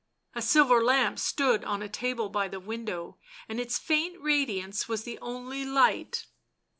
A silver lamp stood on a table by the window, and its faint radiance was the only light.